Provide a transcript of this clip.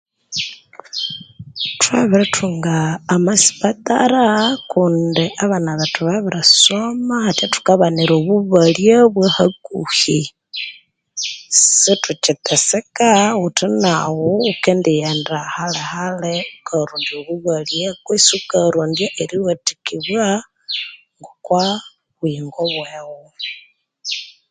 Thwabirithunga amasipatara kundi abana bethu babirisoma hathya thukabanira obubalya bwa hakuhi sithukyiteseka ghuthi naghu ghukendighenda hali hali ghukayarondya obubalya kwesi ghukayarondya aheriwathikibwa ngokwa buyingo bweghu